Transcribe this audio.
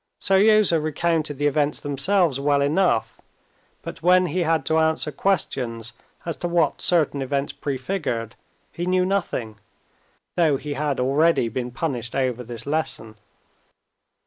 Seryozha recounted the events themselves well enough, but when he had to answer questions as to what certain events prefigured, he knew nothing, though he had already been punished over this lesson.